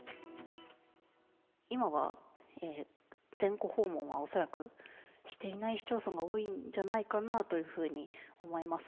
今は全戸訪問は恐らくしていない市町村が多いんじゃないかなというふうに思います。